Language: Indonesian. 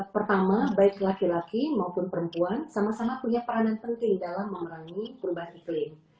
pertama baik laki laki maupun perempuan sama sama punya peranan penting dalam memerangi perubahan iklim